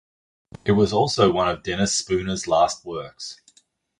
It was also one of Dennis Spooner's last works.